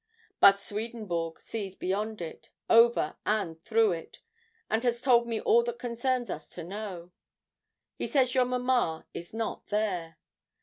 'But Swedenborg sees beyond it, over, and through it, and has told me all that concerns us to know. He says your mamma is not there.'